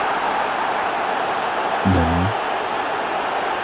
مَن ؟